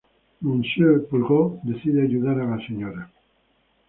Monsieur Poirot decide ayudar a la Sra.